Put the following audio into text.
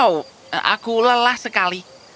oh aku lelah sekali